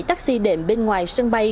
bảy taxi đệm bên ngoài sân bay